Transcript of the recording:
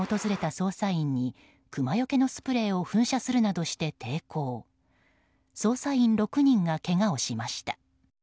捜査員６人がけがをしました。